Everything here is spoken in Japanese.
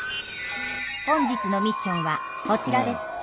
本日のミッションはこちらです。